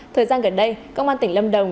thời gian gần đây công an tỉnh lâm đồng